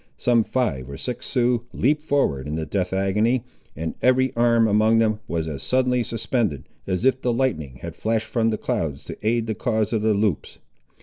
Some five or six Siouxes leaped forward in the death agony, and every arm among them was as suddenly suspended, as if the lightning had flashed from the clouds to aid the cause of the Loups.